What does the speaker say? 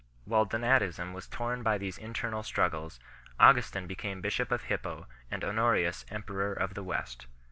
While Donatism was torn by these internal struggles, Augustin became bishop of Hippo and Honorius emperor of the West.